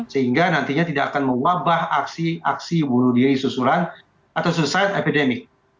sehingga nantinya tidak akan mewabah aksi aksi bunuh diri susulan atau societ epidemic